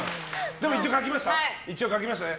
でも、一応書きましたね。